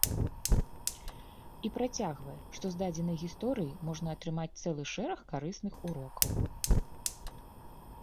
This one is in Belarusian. І працягвае, што з дадзенай гісторыі можна атрымаць цэлы шэраг карысных урокаў.